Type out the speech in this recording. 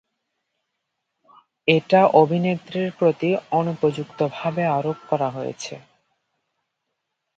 এটা অভিনেত্রীর প্রতি অনুপযুক্তভাবে আরোপ করা হয়েছিল।